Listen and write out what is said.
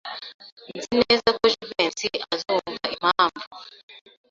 Nzi neza ko Jivency azumva impamvu.